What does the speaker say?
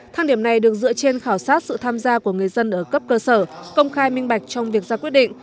thang điểm này được dựa trên khảo sát sự tham gia của người dân ở cấp cơ sở công khai minh bạch trong việc ra quyết định